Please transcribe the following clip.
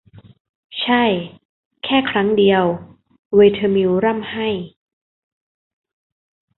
ใช่ แค่ครั้งเดียว เวเธอมิลล์ร่ำไห้